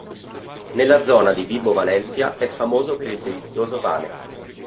Nella zona di Vibo Valentia è famoso per il delizioso pane.